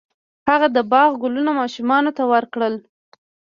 هغه د باغ ګلونه ماشومانو ته ورکړل.